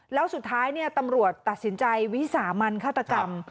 แล้วสุดท้ายตำรวจตัดสินใจวิสามันฆาตกรรม